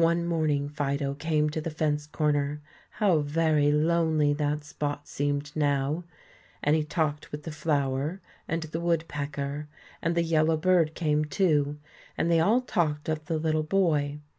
One morning Fido came to the fence corner how very lonely that spot seemed now and he talked with the flower and the woodpecker; and the yellow bird came, too, and they all talked of the little boy.